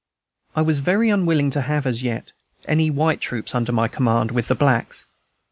I was very unwilling to have, as yet, any white troops under my command, with the blacks.